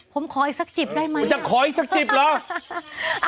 ผมขออีกสักจิบได้ไหมมันจะขออีกสักจิบเหรอ